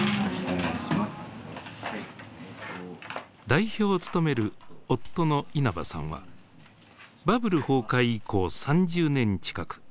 代表を務める夫の稲葉さんはバブル崩壊以降３０年近く